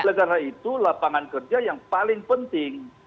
oleh karena itu lapangan kerja yang paling penting